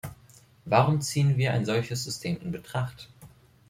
Warum ziehen wir ein solches System in Betracht?